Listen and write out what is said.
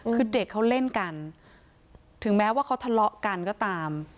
คือเด็กเขาเล่นกันถึงแม้ว่าเขาทะเลาะกันก็ตาม